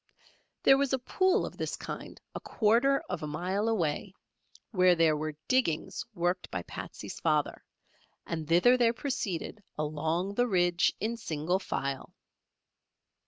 There was a pool of this kind a quarter of a mile away, where there were "diggings" worked by Patsey's father, and thither they proceeded along the ridge in single file.